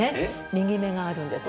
右目があるんです。